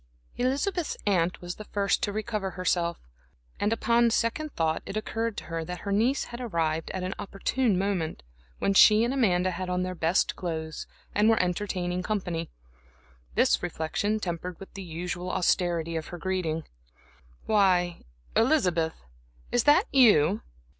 Elizabeth's aunt was the first to recover herself, and upon second thought it occurred to her that her niece had arrived at an opportune moment when she and Amanda had on their best clothes, and were entertaining company. This reflection tempered the usual austerity of her greeting. "Why, Elizabeth, is that you?